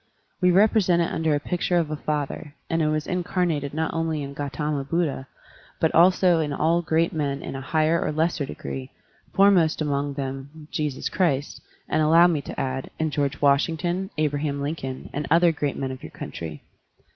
We represent it under a picture of a father, and it was incarnated not only in Gautama Buddha, but also in all great men in a higher or lesser degree, foremost among them in Jesus Christ, and, allow me to add, in George Washington, Abraham Lincoln, and other great men of your cotintry.